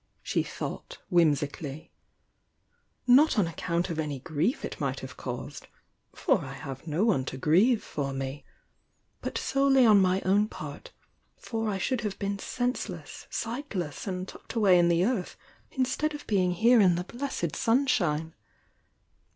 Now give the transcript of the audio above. she thought, whimsically. "Not on account of any grief it might have caused— for I have no one to grieve for me, — but solely on my own part, for I should have been senseless, sight less, and tucked away in the earth, instead of being here in the blessed sunshine!